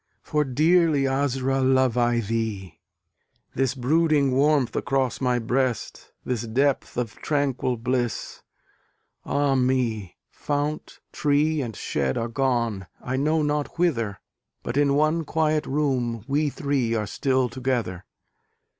For dearly, Asra! love I thee! This brooding warmth across my breast, This depth of tranquil bliss ah, me! Fount, tree and shed are gone, I know not whither, But in one quiet room we three are still together.